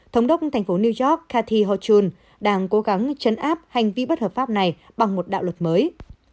thống đốc thành phố new york kathi hochun đang cố gắng chấn áp hành vi bất hợp pháp này bằng một đạo luật mới